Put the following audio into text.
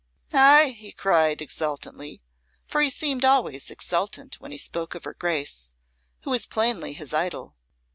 "Ay!" he cried, exultantly, for he seemed always exultant when he spoke of her Grace, who was plainly his idol.